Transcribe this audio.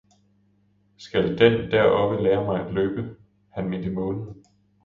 skal den deroppe lære mig at løbe? Han mente Månen.